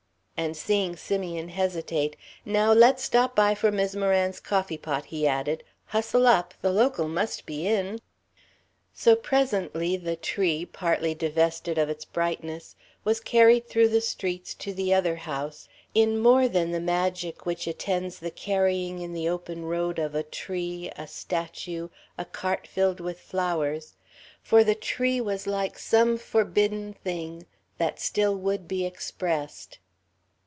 And seeing Simeon hesitate, "Now let's stop by for Mis' Moran's coffee pot," he added. "Hustle up. The Local must be in." So presently the tree, partly divested of its brightness, was carried through the streets to the other house in more than the magic which attends the carrying in the open road of a tree, a statue, a cart filled with flowers, for the tree was like some forbidden thing that still would be expressed.